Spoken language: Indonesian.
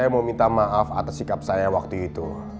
saya mau minta maaf atas sikap saya waktu itu